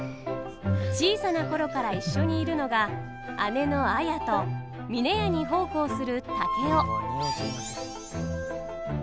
小さな頃から一緒にいるのが姉の綾と峰屋に奉公する竹雄。